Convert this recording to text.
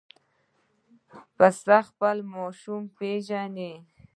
پسه خپل ماشوم پېژني.